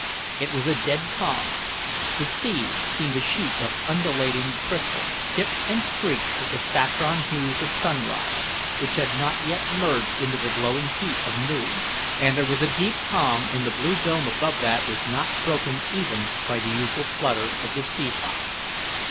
It was a dead calm; the sea seemed a sheet of undulating crystal, tipped and streaked with the saffron hues of sunrise, which had not yet merged into the glowing heat of noon; and there was a deep calm in the blue dome above that was not broken even by the usual flutter of the sea fowl.